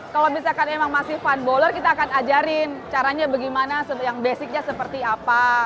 kalau misalkan emang masih fun baller kita akan ajarin caranya bagaimana yang basicnya seperti apa